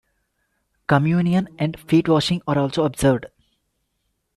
Communion and feet washing are also observed.